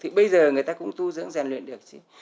thì bây giờ người ta cũng tu dưỡng rèn luyện được chứ